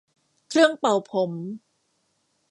เครื่องเป่าผม